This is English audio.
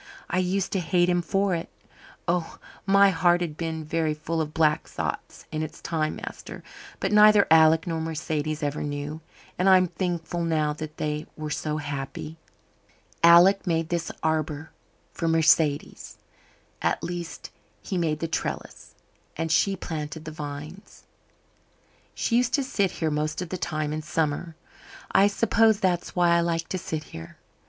I used to hate him for it. Oh, my heart has been very full of black thoughts in its time, master. But neither Alec nor Mercedes ever knew. And I'm thankful now that they were so happy. Alec made this arbour for Mercedes at least he made the trellis, and she planted the vines. "She used to sit here most of the time in summer. I suppose that's why I like to sit here.